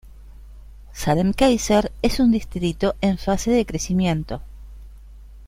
Salem-Keizer es un distrito en fase de crecimiento.